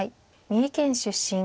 三重県出身。